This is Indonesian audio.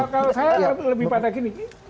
kalau saya lebih pada gini